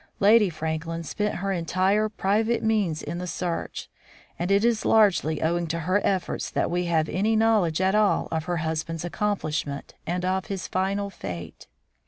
Lady Franklin spent her entire private means in the search, and it is largely owing to her efforts that we have any knowledge at all of her husband's accomplishment and of his final fate.